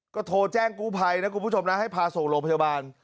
ก็โทรแจ้งกู้ภัยนะคุณผู้ชมนะให้พาส่งโรงพยาบาล